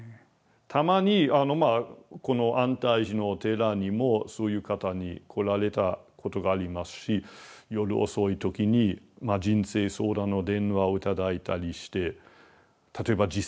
たまにこの安泰寺のお寺にもそういう方来られたことがありますし夜遅い時に人生相談の電話を頂いたりして例えば自殺のことを考えてるとか。